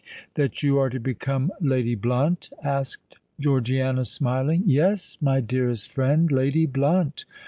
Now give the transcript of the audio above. "That you are to become Lady Blunt?" asked Georgiana, smiling. "Yes, my dearest friend—Lady Blunt!